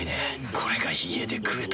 これが家で食えたなら。